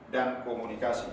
dan teknologi informasi